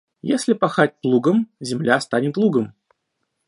Если пахать плугом, земля станет лугом.